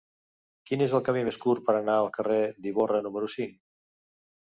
Quin és el camí més curt per anar al carrer d'Ivorra número cinc?